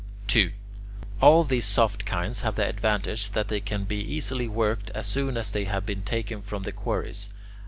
2. All these soft kinds have the advantage that they can be easily worked as soon as they have been taken from the quarries.